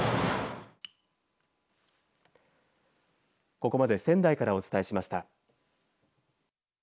ここまで仙台からお伝えしました。